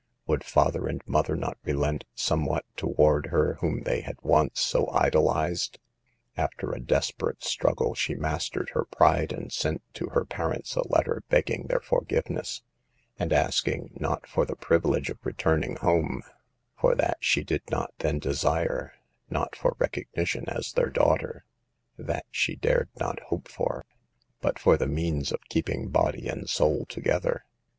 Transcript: Would father and mother not relent somewhat toward her whom they had once so idolized? After a desperate struggle she mastered her pride and sent to her parents a letter begging their forgiveness, and asking, not for the privilege of returning home, for that she did not then desire ; not for recognition as their daughter ; that she dared not hope for ; but for the means of keep ing body and soul together.